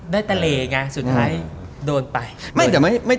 ได้ตะเลไงสุดท้ายโดนไป